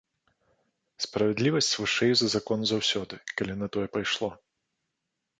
Справядлівасць вышэй за закон заўсёды, калі на тое пайшло.